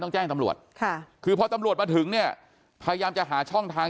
ต้องแก้ให้ตำรวจค่ะพอตำรวจมาถึงเนี่ยพยายามจะหาช่องทาง